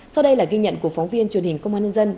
sau đây là ghi nhận của phóng viên truyền hình công an nhân dân